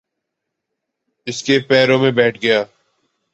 اس کے پیروں میں بیٹھ گیا۔